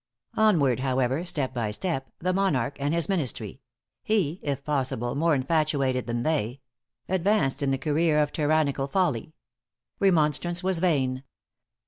Onward, however, step by step, the Monarch and his Ministry he, if possible, more infatuated than they advanced in the career of tyrannical folly. Remonstrance was vain.